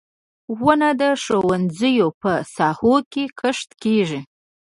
• ونه د ښوونځیو په ساحو کې کښت کیږي.